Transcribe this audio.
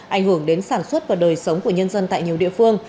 ảnh hưởng đến sản xuất và đời sống của nhân dân tại nhiều địa phương